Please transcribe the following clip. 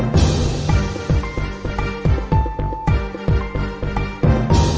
ติดตามต่อไป